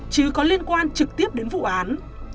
trứ có liên quan trực tiếp đến vụ án